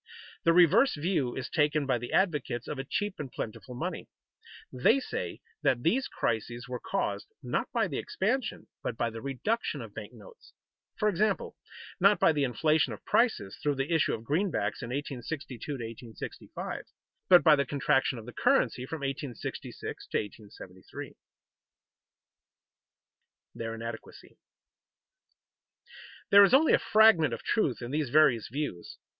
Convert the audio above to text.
The reverse view is taken by the advocates of a cheap and plentiful money. They say that these crises were caused, not by the expansion, but by the reduction of bank notes; for example, not by the inflation of prices through the issue of greenbacks in 1862 to 1865, but by the contraction of the currency from 1866 to 1873. [Sidenote: Their inadequacy] There is only a fragment of truth in these various views.